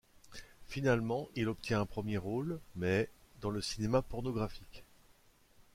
Finalement il obtient un premier rôle, mais...dans le cinéma pornographique.